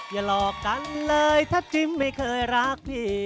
อย่าหลอกกันเลยถ้าจิ้มไม่เคยรักพี่